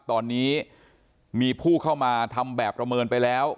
ตอนนี้มีผู้เข้ามาทำแบบประเมินไปแล้ว